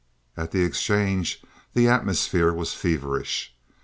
At the exchange, the atmosphere was feverish.